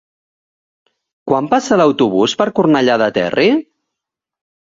Quan passa l'autobús per Cornellà del Terri?